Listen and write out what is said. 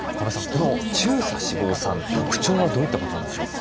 この中鎖脂肪酸特徴はどういったことなんでしょうか？